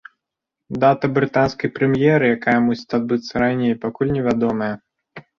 Дата брытанскай прэм'еры, якая мусіць адбыцца раней, пакуль невядомая.